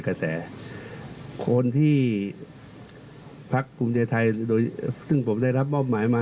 กระแสคนที่พักภูมิใจไทยโดยซึ่งผมได้รับมอบหมายมา